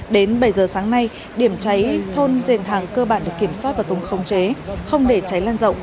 đến bảy giờ sáng nay điểm cháy thôn dền thàng cơ bản được kiểm soát và không không chế